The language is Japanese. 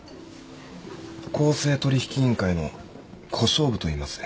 公正取引委員会の小勝負といいます。